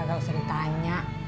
gak usah ditanya